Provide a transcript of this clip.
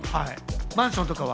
マンションとかは？